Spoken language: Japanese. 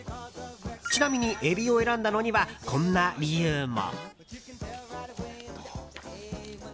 ちなみにエビを選んだのにはこんな理由も。